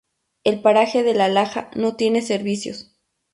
El paraje de La Laja no tiene servicios.